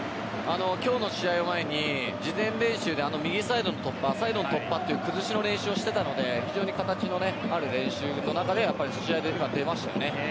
今日の試合の前に事前練習で右サイドの突破サイドの突破という崩しの練習をしていたので非常に形のある練習の中で出ましたよね。